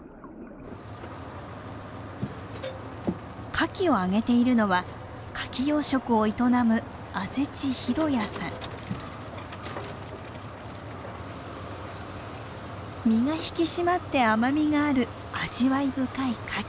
牡蠣をあげているのは牡蠣養殖を営む身が引き締まって甘みがある味わい深い牡蠣。